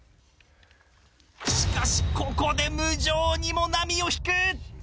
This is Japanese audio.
しかしここで無情にもナミを引く。